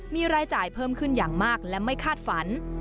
มีรายจ่ายเพิ่มขึ้นอย่างมากและไม่คาดฝัน